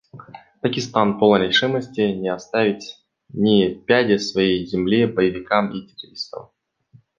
Пакистан полон решимости не оставить ни пяди своей земли боевикам и террористам.